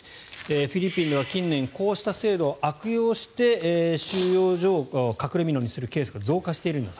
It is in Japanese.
フィリピンでは近年こうした制度を悪用して、収容所を隠れみのにするケースが増加していると。